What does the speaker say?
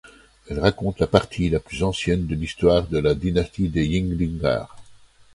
Elle raconte la partie la plus ancienne de l'histoire de la dynastie des Ynglingar.